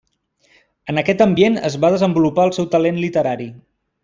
En aquest ambient es va desenvolupar el seu talent literari.